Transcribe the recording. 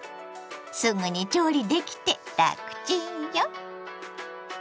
すぐに調理できてラクチンよ。